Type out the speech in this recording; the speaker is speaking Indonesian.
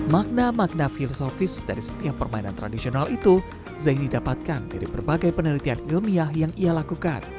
makna makna filosofis dari setiap permainan tradisional itu zaini dapatkan dari berbagai penelitian ilmiah yang ia lakukan